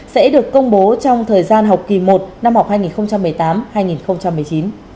sẽ được công bố trong thời gian học kỳ một năm học hai nghìn một mươi tám hai nghìn một mươi chín